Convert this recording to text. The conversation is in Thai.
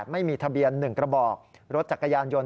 ไม่มีทะเบียน๑กระบอกรถจักรยานยนต์